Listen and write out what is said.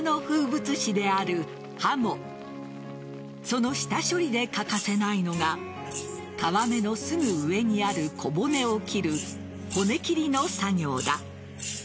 その下処理で欠かせないのが皮目のすぐ上にある小骨を切る骨切りの作業だ。